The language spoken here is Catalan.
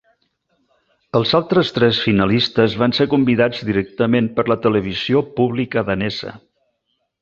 Els altres tres finalistes van ser convidats directament per la televisió pública danesa.